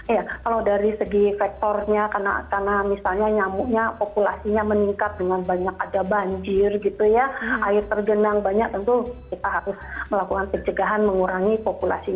iya kalau dari segi faktornya karena misalnya nyamuknya populasinya meningkat dengan banyak ada banjir gitu ya air tergenang banyak tentu kita harus melakukan pencegahan mengurangi populasi